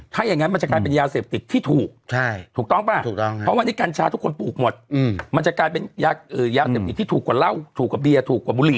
ถ้าอย่างงั้นมันจะกลายเป็นยาเศรษฐิตี่ทุก